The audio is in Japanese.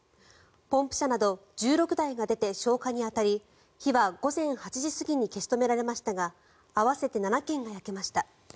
ポンプ車など１６台が出て消火に当たり火は午前８時過ぎに消し止められましたが合わせて７軒が焼けました。